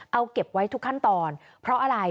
เอาเก็บไว้ทุกขั้นตอนเพราะอะไร